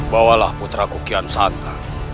bawalah putra kukian santa